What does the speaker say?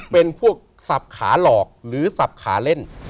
เป็นพวกสับขาหลอกหรือสับขาเล่น